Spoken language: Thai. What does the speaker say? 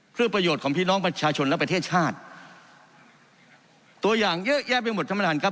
เพื่อประโยชน์ของพี่น้องประชาชนและประเทศชาติตัวอย่างเยอะแยะไปหมดท่านประธานครับ